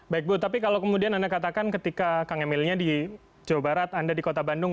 baik bu tapi kalau kemudian anda katakan ketika kang emilnya di jawa barat anda di kota bandung